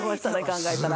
考えたら。